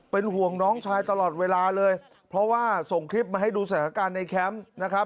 เป็นห่วงน้องชายตลอดเวลาเลยเพราะว่าส่งคลิปมาให้ดูสถานการณ์ในแคมป์นะครับ